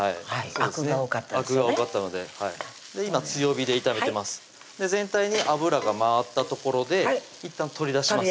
あくが多かったのではい今強火で炒めてます全体に油が回ったところでいったん取り出します